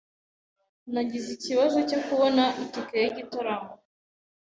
Nagize ikibazo cyo kubona itike yigitaramo.